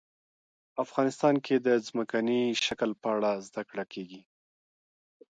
افغانستان کې د ځمکنی شکل په اړه زده کړه کېږي.